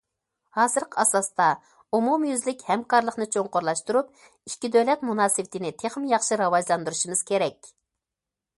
ھازىرقى ئاساستا، ئومۇميۈزلۈك ھەمكارلىقنى چوڭقۇرلاشتۇرۇپ، ئىككى دۆلەت مۇناسىۋىتىنى تېخىمۇ ياخشى راۋاجلاندۇرۇشىمىز كېرەك.